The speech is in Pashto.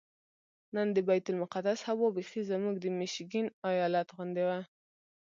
نن د بیت المقدس هوا بیخي زموږ د میشیګن ایالت غوندې وه.